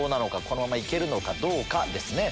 このまま行けるのかどうかですね。